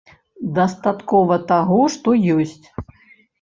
Дастаткова таго, што ёсць.